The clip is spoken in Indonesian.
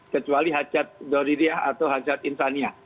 kecuali hajat doririyah atau hajat insaniyah